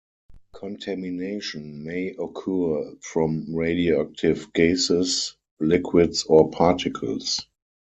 Contamination may occur from radioactive gases, liquids or particles.